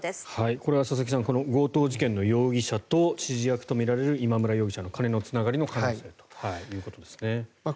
これは佐々木さん強盗事件の容疑者と指示役とみられる今村容疑者の金のつながりの可能性という話ですね。